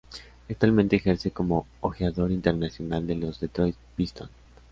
Actualmente ejerce como ojeador internacional de los Detroit Pistons.